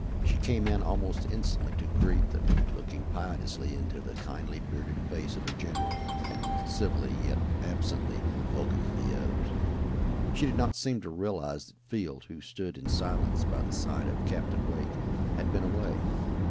She came in almost instantly to greet them, looking piteously into the kindly, bearded face of the general, and civilly, yet absently, welcoming the others. She did not seem to realize that Field, who stood in silence by the side of Captain Blake, had been away.